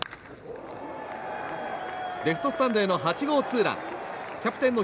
レフトスタンドへの８号ツーラン。